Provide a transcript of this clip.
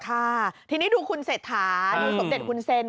ค่ะทีนี้ดูคุณเศรษฐาดูสมเด็จฮุนเซ็น